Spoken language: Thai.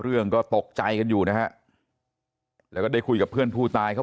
เรื่องก็ตกใจกันอยู่นะฮะแล้วก็ได้คุยกับเพื่อนผู้ตายเขา